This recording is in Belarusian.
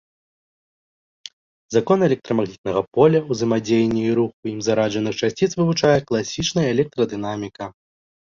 Законы электрамагнітнага поля, узаемадзеянне і рух у ім зараджаных часціц вывучае класічная электрадынаміка.